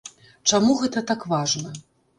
Чаму гэта так важна?